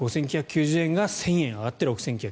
５９９０円が１０００円上がって６９９０円。